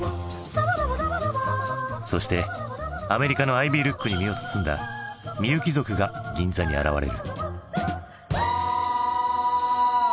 そしてアメリカのアイビールックに身を包んだ「みゆき族」が銀座に現れる。